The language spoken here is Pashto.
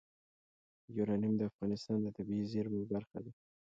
یورانیم د افغانستان د طبیعي زیرمو برخه ده.